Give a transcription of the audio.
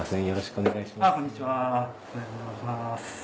よろしくお願いします。